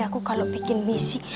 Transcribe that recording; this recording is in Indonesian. aku kalau bikin misi